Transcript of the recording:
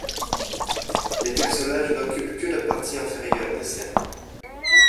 Les personnages n'occupent que la partie inférieure des scènes.